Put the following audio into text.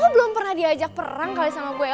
lo belum pernah diajak perang kali sih